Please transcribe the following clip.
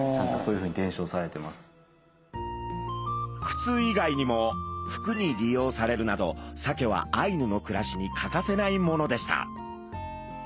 靴以外にも服に利用されるなどサケはアイヌの暮らしに欠かせないものでした。